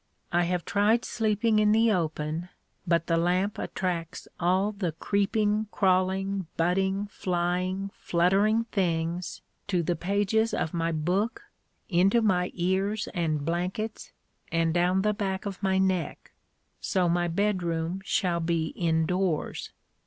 I have tried sleeping in the open, but the lamp attracts all the creeping, crawling, butting, flying, fluttering things to the pages of my book, into my ears and blankets, and down the back of my neck. So my bedroom shall be indoors.